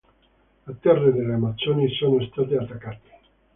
Le terre delle amazzoni sono state attaccate.